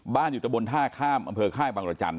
บ้านอยู่ตะบนท่าข้ามอำเภอค่ายปังกระจันทร์